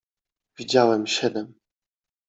Widziałem siedem.